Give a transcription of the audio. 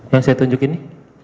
yang saya tunjuk ini